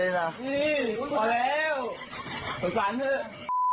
พอแล้วสงสารเถอะ